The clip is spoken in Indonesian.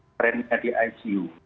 trendnya di icu